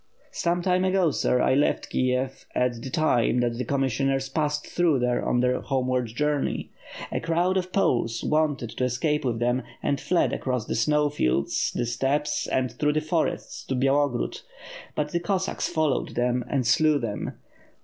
"Some time ago, sir, J left Kiev at the time that the com missioners passed through there on their homeward journey. A crowd of Poles wanted to escape with them, and fled across the snow fields, the steppes, and through the forests to Bya logrod; but the Cossacks followed them and slew them.